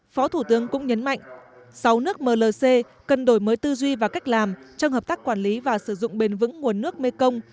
phó thủ tướng cũng nhấn mạnh sáu nước mlc cần đổi mới tư duy và cách làm trong hợp tác quản lý và sử dụng bền vững nguồn nước mekong